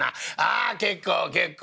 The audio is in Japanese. ああ結構結構。